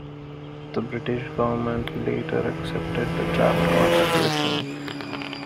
The British Government later accepted the draft constitution.